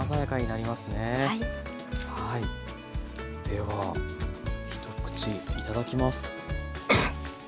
では一口いただきます。